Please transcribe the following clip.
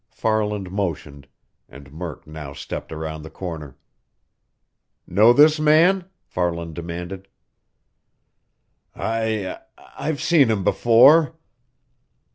Farland motioned, and Murk now stepped around the corner. "Know this man?" Farland demanded. "I I've seen him before."